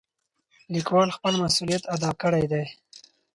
لیکوال خپل مسؤلیت ادا کړی دی.